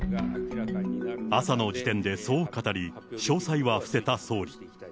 朝の時点でそう語り、詳細は伏せた総理。